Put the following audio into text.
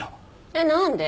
えっなんで？